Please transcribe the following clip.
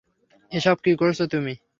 এসব কী করছ তুমি?